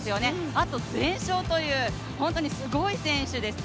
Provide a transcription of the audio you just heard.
あと全勝という、本当にすごい選手です。